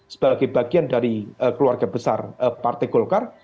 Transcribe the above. sebagai bagian dari keluarga besar partai golkar